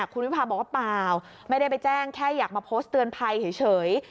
คุณวิพาบอกว่าเปล่าไม่ได้ไปแจ้งแค่อยากมาโพสต์เตือนภัยเฉย